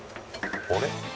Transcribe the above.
あれ？